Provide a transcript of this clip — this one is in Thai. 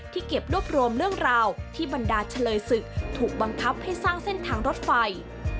เก็บรวบรวมเรื่องราวที่บรรดาเฉลยศึกถูกบังคับให้สร้างเส้นทางรถไฟ